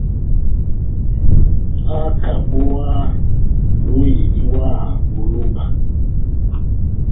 ákabówáhá dóhi diwáha ó lóba